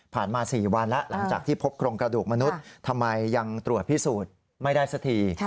มา๔วันแล้วหลังจากที่พบโครงกระดูกมนุษย์ทำไมยังตรวจพิสูจน์ไม่ได้สักที